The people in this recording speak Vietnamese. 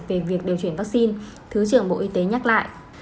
về việc điều chuyển vaccine thứ trưởng bộ y tế nhắc lại